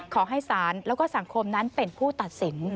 ขอให้ศาลแล้วก็สังคมนั้นเป็นผู้ตัดสิน